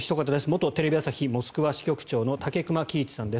元テレビ朝日モスクワ支局長の武隈喜一さんです。